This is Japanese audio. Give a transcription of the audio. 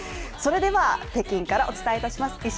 それでは、北京からお伝えいたします。